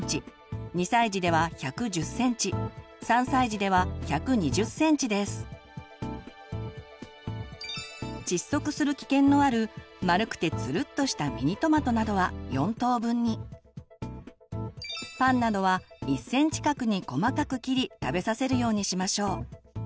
目安は窒息する危険のある丸くてつるっとしたミニトマトなどは４等分にパンなどは１ｃｍ角に細かく切り食べさせるようにしましょう。